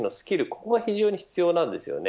これが非常に必要です。